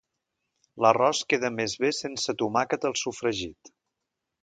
L'arròs queda més bé sense tomàquet al sofregit.